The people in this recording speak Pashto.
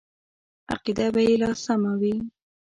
عقیده به یې لا سمه وي.